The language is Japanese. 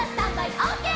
オーケー！」